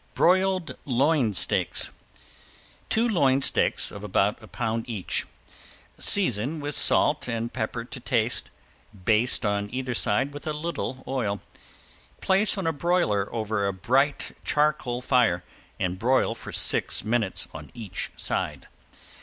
~BROILED LOIN STEAKS~ Two loin steaks of about a pound each: season with salt and pepper to taste, baste on either side with a little oil. Place on a broiler over a bright charcoal fire, and broil for six minutes, on each side.